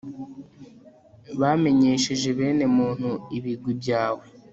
bamenyeshe bene muntu ibigwi byawe